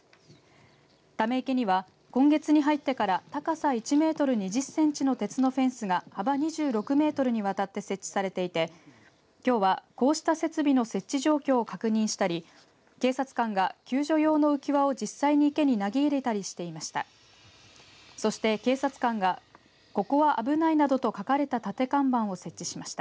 ため池には今月に入ってから高さ１メートル２０センチの鉄のフェンスが幅２６メートルにわたって設置されていてきょうはこうした設備の設置状況を確認したり警察官が救助用の浮輪を実際に池に投げ入れたりしていました。